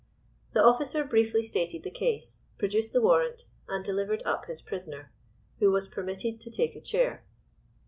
The officer briefly stated the case, produced the warrant, and delivered up his prisoner, who was permitted to take a chair.